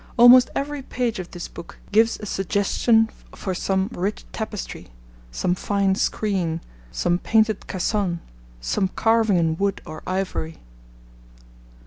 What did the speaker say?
Almost every page of this book gives a suggestion for some rich tapestry, some fine screen, some painted cassone, some carving in wood or ivory.